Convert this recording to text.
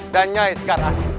dan nyai sekarasi